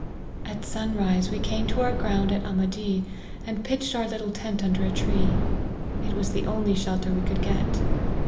" At sunrise we came to our ground at Ahmedee, and pitched our little tent under a tree ; it was the only shelter we could get.